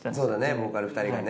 ボーカル二人がね。